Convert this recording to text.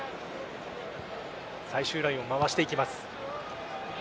最終ラインを回していきます。